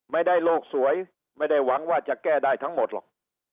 โลกสวยไม่ได้หวังว่าจะแก้ได้ทั้งหมดหรอก